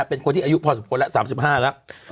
เป็นคนที่อายุพอสมควรสามสิบห้าแล้ว